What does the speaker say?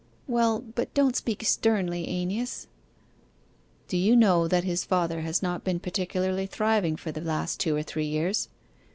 'Well: but don't speak sternly, AEneas!' 'Do you know that his father has not been particularly thriving for the last two or three years?